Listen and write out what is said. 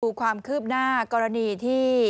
ดูความคืบหน้ากรณีที่